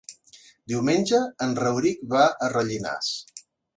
Diumenge en Rauric va a Rellinars.